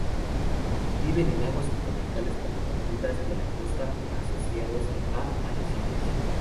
Viven en aguas subtropicales poco profundas de la costa, asociados a arrecifes.